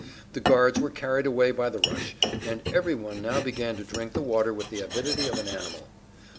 The guards were carried away by the rush, and every one now began to drink the water with the avidity of an animal.